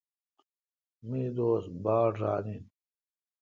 مہ دوست باڑ ران این۔